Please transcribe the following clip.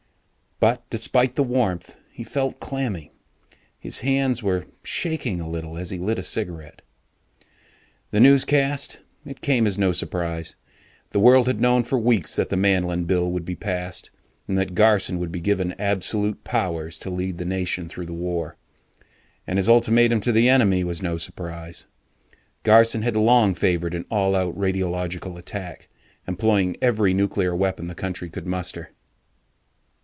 But despite the warmth, he felt clammy; his hands were shaking a little as he lit a cigarette. The newscast it came as no surprise. The world had known for weeks that the Manlin Bill would be passed, and that Garson would be given absolute powers to lead the nation through the war. And his ultimatum to the enemy was no surprise. Garson had long favored an all out radiological attack, employing every nuclear weapon the country could muster.